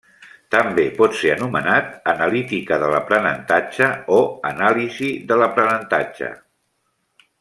També, pot ser anomenat: analítica de l'aprenentatge o anàlisi de l'aprenentatge.